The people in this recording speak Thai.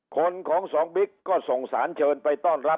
คนของสองบิ๊กก็ส่งสารเชิญไปต้อนรับ